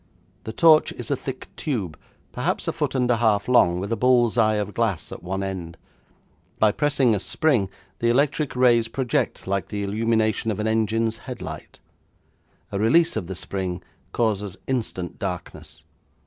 The torch is a thick tube, perhaps a foot and a half long, with a bull's eye of glass at one end. By pressing a spring the electric rays project like the illumination of an engine's headlight. A release of the spring causes instant darkness.